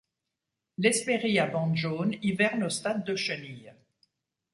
L'Hespérie à bandes jaunes hiverne au stade de chenille.